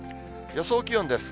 予想気温です。